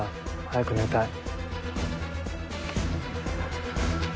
早く寝たい。